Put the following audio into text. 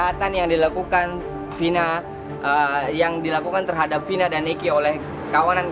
sekarang saya akan menunjukkan kepada anda gang